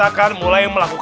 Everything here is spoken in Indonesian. aduk aduk aduk aduk